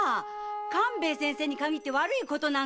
勘兵衛先生に限って悪いことなんか！